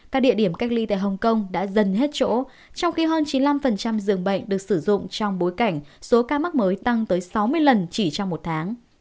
các địa điểm cách ly tại hồng kông đã dần hết chỗ trong khi hơn chín mươi năm dường bệnh được sử dụng trong bối cảnh số ca mắc mới tăng tới sáu mươi lần chỉ trong một tháng